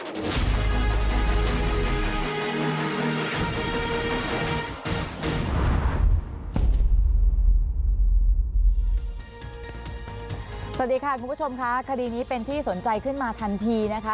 สวัสดีค่ะคุณผู้ชมค่ะคดีนี้เป็นที่สนใจขึ้นมาทันทีนะคะ